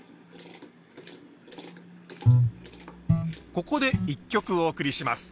ここで一曲お送りします。